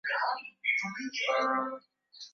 luis moreno ocampo ni kiongozi wa mashtaka